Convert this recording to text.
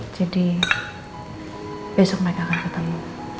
jadi besok mereka akan ketemu